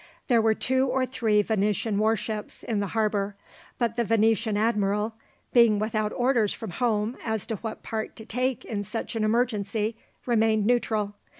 There were two or three Venetian warships in the harbour; but the Venetian admiral, being without orders from home as to what part to take in such an emergency, remained neutral.